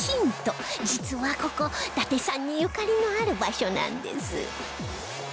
実はここ伊達さんにゆかりのある場所なんです